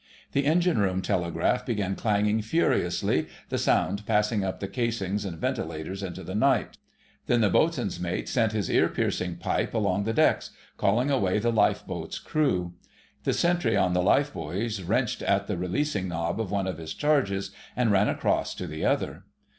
The Engine room telegraph began clanging furiously, the sound passing up the casings and ventilators into the night; then the Boatswain's Mate sent his ear piercing pipe along the decks, calling away the lifeboat's crew. The sentry on the life buoys wrenched at the releasing knob of one of his charges and ran across to the other.